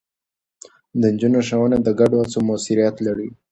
د نجونو ښوونه د ګډو هڅو موثريت لوړوي.